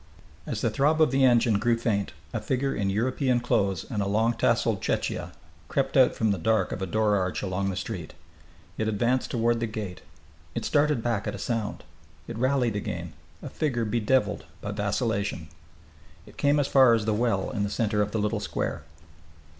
As the throb of the engine grew faint a figure in European clothes and a long tasselled chechia crept out from the dark of a door arch along the street. It advanced toward the gate. It started back at a sound. It rallied again, a figure bedeviled by vacillation. It came as far as the well in the centre of the little square.